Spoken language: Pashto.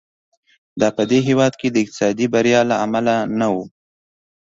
دا په دې هېواد کې د اقتصادي بریا له امله نه و.